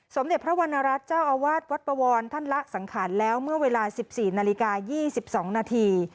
สมเด็จพระวรรณรัฐเจ้าอาวาสวัดปวรท่านละสังขารแล้วเมื่อเวลา๑๔นาฬิกา๒๒นาที